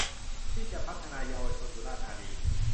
ที่จะพัฒนาเยาวชนสุราษฏร์ธานี